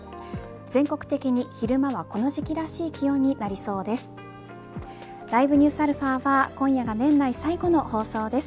全国的に昼間はこの時期らしい気温になりそうです。